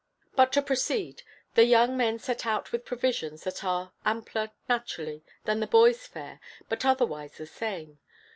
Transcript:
But to proceed: the young men set out with provisions that are ampler, naturally, than the boys' fare, but otherwise the same.